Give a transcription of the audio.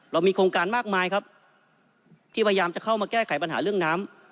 เรามีโครงการมากมายครับที่พยายามจะเข้ามาแก้ไขปัญหาเรื่องน้ำ